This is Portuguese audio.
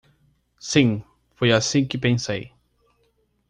Sim, foi assim que pensei.